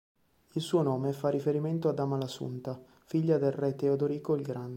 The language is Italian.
Il suo nome fa riferimento ad Amalasunta, figlia del re Teodorico il Grande.